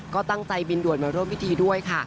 ก็ตั้งใจบินด่วนมาร่วมพิธีด้วยค่ะ